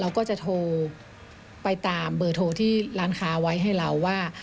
เราก็จะโทรไปตามเบอร์โทรที่ร้านค้าไว้ให้เราว่า